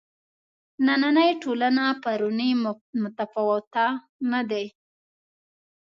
نننۍ ټولنه پرونۍ متفاوته نه دي.